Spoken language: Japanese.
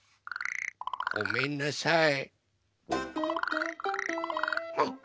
ごめんなさい。